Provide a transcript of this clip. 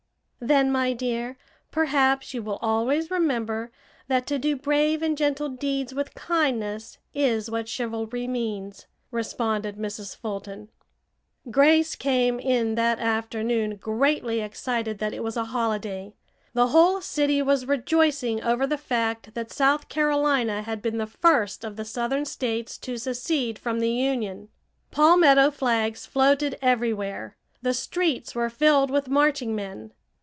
"Then, my dear, perhaps you will always remember that to do brave and gentle deeds with kindness is what 'chivalry' means," responded Mrs. Fulton. Grace came in that afternoon greatly excited that it was a holiday. The whole city was rejoicing over the fact that South Carolina had been the first of the southern states to secede from the Union. Palmetto flags floated everywhere; the streets were filled with marching men.